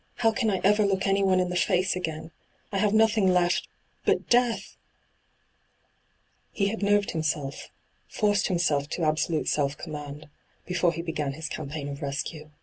' How can I ever look anyone in the &ce again ? I have nothing left — but death !' He had nerved himself, forced himself to absolute self command, before he began his campaign of rescue.